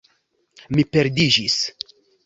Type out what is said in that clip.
Mi perdiĝis